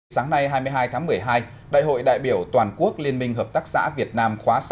sáng nay hai mươi hai tháng một mươi hai đại hội đại biểu toàn quốc liên minh hợp tác xã việt nam khóa sáu